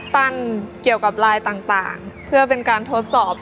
เกี่ยวกับลายต่างเพื่อเป็นการทดสอบ